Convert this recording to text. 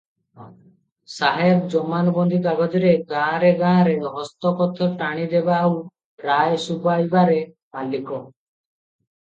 ସାହେବ ଜମାନବନ୍ଦୀ କାଗଜରେ ଗାଁରେ ଗାଁରେ ଦସ୍ତଖତ ଟାଣିଦେବା ଆଉ ରାୟ ଶୁବାଇବାରେ ମାଲିକ ।